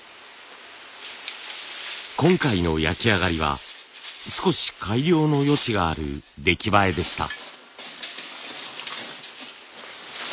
今回の焼き上がりは少し改良の余地がある出来栄えでした。